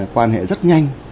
quan hệ rất nhanh